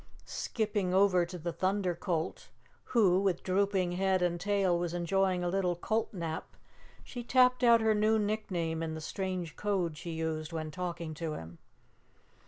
Skipping over to the Thunder Colt, who with drooping head and tail was enjoying a little colt nap, she tapped out her new nickname in the strange code she used when talking to him.